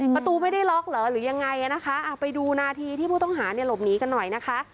ประตูไม่ได้ล็อกเหรอหรือยังไงนะคะไปดูนาทีที่ผู้ต้องหาเนี่ยหลบหนีกันหน่อยนะคะ